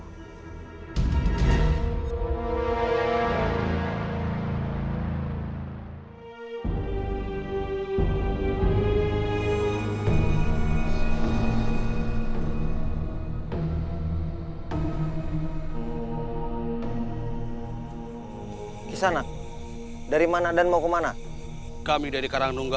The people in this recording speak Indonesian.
ketika kita menemukan pelakunya